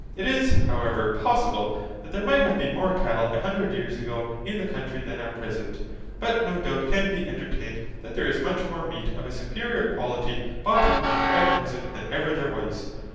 It is, however, possible, that there might have been more cattle a hundred years ago in the country than at present; but no doubt can be entertained, that there is much more meat of a superior quality brought to market at present than ever there was.